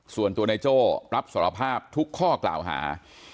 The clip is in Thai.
ส่วนตัวนายโจ้รับสารภาพทุกข้อกล่าวหา